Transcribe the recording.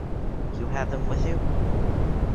You have them with you?